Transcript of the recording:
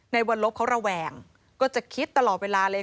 วันลบเขาระแวงก็จะคิดตลอดเวลาเลย